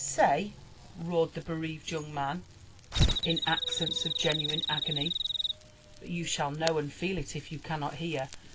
^' iay 1'' roared the bereaved young man in aaeents of genuine agony, ^^but you shall know aud feel it, if you cannot hear.